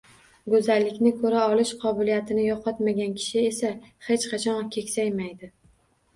Go’zallikni ko’ra olish qobiliyatini yo’qotmagan kishi esa hech qachon keksaymaydi.